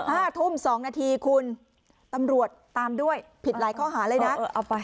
ห้าทุ่มสองนาทีคุณตำรวจตามด้วยผิดหลายข้อหาเลยนะเออเอาไป